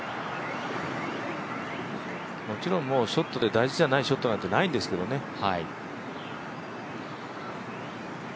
もちろんショットで大事じゃないショットなんてないんですけどね。